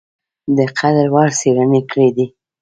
د قدر وړ څېړني کړي دي ۔